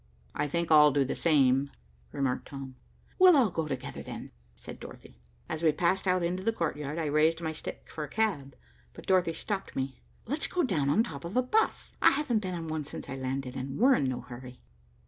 "I think I'll do the same," remarked Tom. "We'll all go together, then," said Dorothy. As we passed out into the courtyard, I raised my stick for a cab, but Dorothy stopped me. "Let's go down on top of a bus. I haven't been on one since I landed, and we're in no hurry."